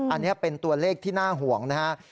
อันนี้เป็นตัวเลขที่น่าห่วงนะครับ